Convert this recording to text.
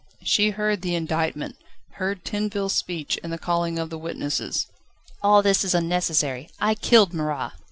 She heard the indictment, heard Tinville's speech and the calling of the witnesses. "All this is unnecessary. I killed Marat!"